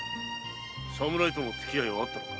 侍との付き合いはあったのか？